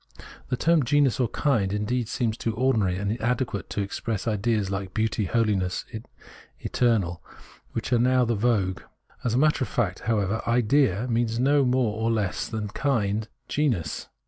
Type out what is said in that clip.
The term genus or kind seems indeed too ordinary and inadequate to express ideas like beauty, holiness, eternal, which are now the vogue. As a matter of fact, however, idea {l&ia) means neither more nor less than kind, genus.